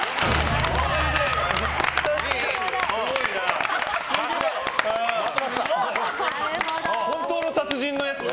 すごい！本当の達人のやつ。